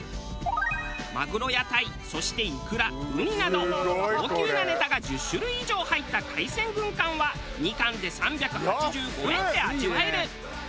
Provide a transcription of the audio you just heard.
マグロやタイそしてイクラウニなど高級なネタが１０種類以上入った海鮮軍艦は２貫で３８５円で味わえる。